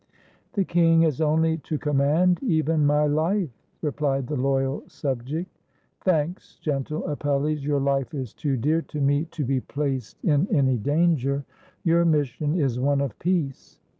"The king has only to command, even my life," re plied the loyal subject. "Thanks, gentle Apelles, your life is too dear to me to 196 IN THE STUDIO OF APELLES be placed in any danger. Your mission is one of peace.